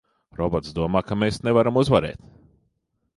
Robots domā, ka mēs nevaram uzvarēt!